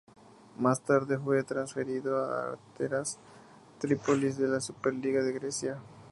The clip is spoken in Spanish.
Más tarde fue transferido al Asteras Tripolis de la Super Liga de Grecia.